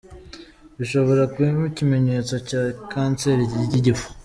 Bishobora kuba ikimenyetso cya kansiri y’igifu.